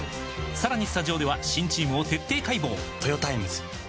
さらにスタジオでは新チームを徹底解剖！